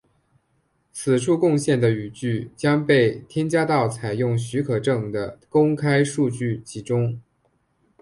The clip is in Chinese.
此处贡献的语句将被添加到采用许可证的公开数据集中。